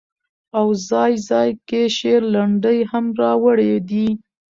او ځاى ځاى کې شعر، لنډۍ هم را وړي دي